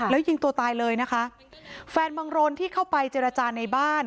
แล้วยิงตัวตายเลยนะคะแฟนบังรนที่เข้าไปเจรจาในบ้าน